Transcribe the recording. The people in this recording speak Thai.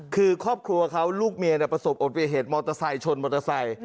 คือครอบครัวเขาลูกเมียประสบอุบัติเหตุมอเตอร์ไซค์ชนมอเตอร์ไซค์